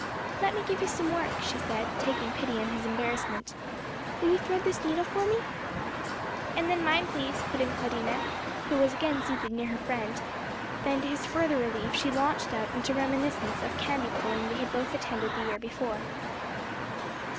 "Let me give you some work," she said, taking pity on his embarrassment; "will you thread this needle for me?" "And then mine, please," put in Claudina, who was again seated near her friend; then to his further relief she launched out into a reminiscence of a candy pulling they had both attended the year before.